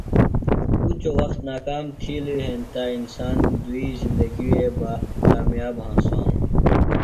اُچوۡ وخت ناکام تِھیلیۡ ہینتہ انسان دُوئی زندگیۡ وے بہ کامیاب ہنسانوۡ۔